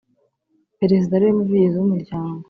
Perezida ariwe Muvugizi w Umuryango